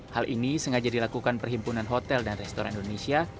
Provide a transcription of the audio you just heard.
hal ini sengaja dilakukan perhimpunan hotel dan restoran indonesia